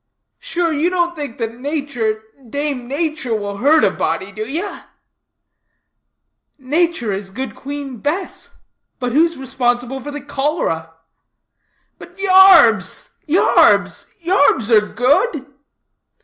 "Sure, you don't think that natur, Dame Natur, will hurt a body, do you?" "Natur is good Queen Bess; but who's responsible for the cholera?" "But yarbs, yarbs; yarbs are good?"